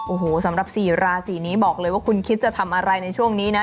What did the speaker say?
โอ้โหสำหรับ๔ราศีนี้บอกเลยว่าคุณคิดจะทำอะไรในช่วงนี้นะ